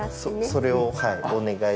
それをはい。